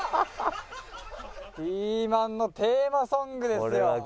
ピーマンのテーマソングですよ。